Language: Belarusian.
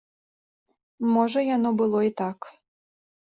Можа яно было і так.